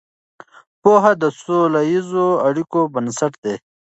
پوهه د سوله ییزو اړیکو بنسټ دی.